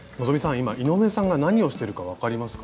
今井上さんが何をしてるか分かりますか？